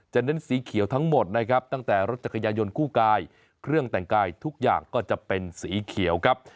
เน้นสีเขียวทั้งหมดนะครับตั้งแต่รถจักรยานยนต์คู่กายเครื่องแต่งกายทุกอย่างก็จะเป็นสีเขียวครับ